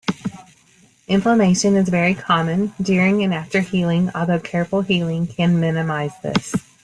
Inflammation is very common, during and after healing, although careful healing can minimize this.